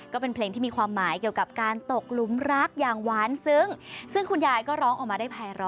ก็เป็นเพลงที่มีความหมายเกี่ยวกับการตกหลุมรักอย่างหวานซึ้งซึ่งคุณยายก็ร้องออกมาได้ภายร้อ